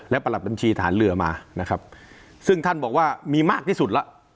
และประหลัดบัญชีฐานเรือมานะครับซึ่งท่านบอกว่ามีมากที่สุดแล้ว